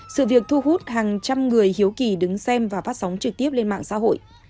sự việc thu hút hàng trăm người hiếu kỳ đứng xem và phát sóng trực tiếp lên mạng xã hội